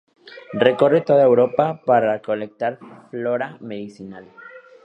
Recorre toda Europa para recolectar flora medicinal.